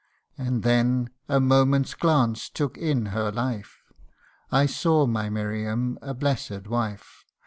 And then a moment's glance took in her life I saw my Miriam a blessed wife ; CANTO III.